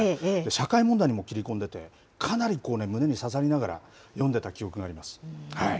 社会問題にも切り込んでて、かなりこう、胸に刺さりながら読んでた記憶があります。